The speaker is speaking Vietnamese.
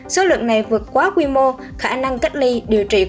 số lượng này vượt quá quy mô khả năng cách ly điều trị